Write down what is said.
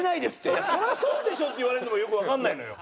「そらそうでしょ」って言われるのもよくわかんないのよ。